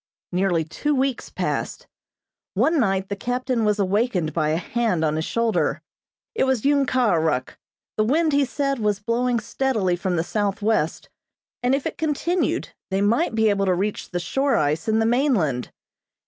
Nearly two weeks passed. One night the captain was awakened by a hand on his shoulder. It was Ung Kah Ah Ruk. The wind, he said, was blowing steadily from the southwest, and if it continued they might be able to reach the shore ice and the mainland.